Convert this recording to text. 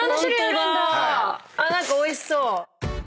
何かおいしそう。